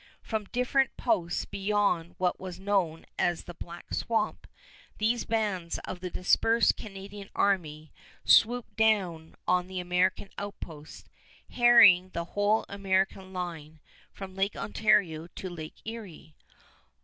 From different posts beyond what was known as the Black Swamp, these bands of the dispersed Canadian army swooped down on the American outposts, harrying the whole American line from Lake Ontario to Lake Erie.